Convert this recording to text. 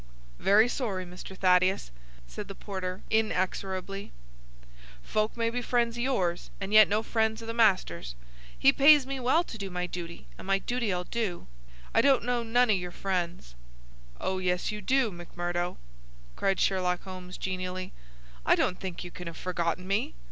"Very sorry, Mr. Thaddeus," said the porter, inexorably. "Folk may be friends o' yours, and yet no friends o' the master's. He pays me well to do my duty, and my duty I'll do. I don't know none o' your friends." "Oh, yes you do, McMurdo," cried Sherlock Holmes, genially. "I don't think you can have forgotten me.